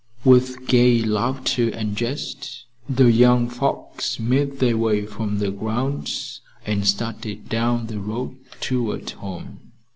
With gay laughter and jest, the young folks made their way from the grounds and started down the road toward home.